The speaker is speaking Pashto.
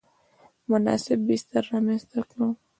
مناسب بستر رامنځته کړ.